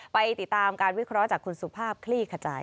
ไปติดตามการวิเคราะห์จากคุณสุภาพคลี่ขจาย